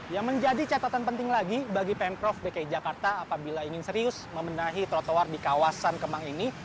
yang menjadi catatan penting lagi bagi pemprov dki jakarta apabila ingin serius membenahi trotoar di kawasan kemang ini